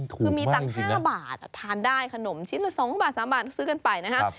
คือมีตังค์๕บาททานได้ขนมชิ้นละ๒บาท๓บาทซื้อกันไปนะครับ